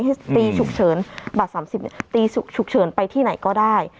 ตีฉุกเฉินบัตร๓๐ตีฉุกเฉินไปที่ไหนก็ได้